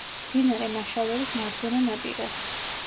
მდინარე მაშავერის მარჯვენა ნაპირას.